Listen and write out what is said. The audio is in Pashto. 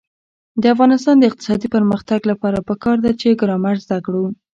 د افغانستان د اقتصادي پرمختګ لپاره پکار ده چې ګرامر زده کړو.